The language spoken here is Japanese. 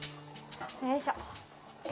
よいしょ！